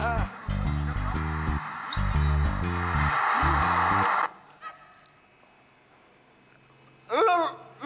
nah mati dong mati mati